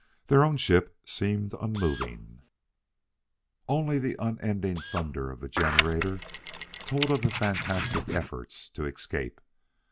Their own ship seemed unmoving; only the unending thunder of the generator told of the frantic efforts to escape.